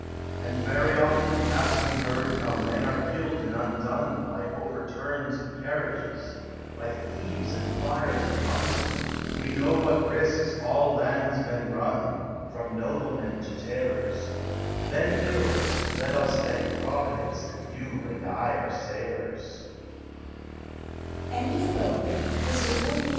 " And very often have we heard How men are killed and undone By overturns of carriages, By thieves and fires in London. We know what risks all landsmen run, From noblemen to tailors; Then, Bill, let us thank Providence That you and I are sailors."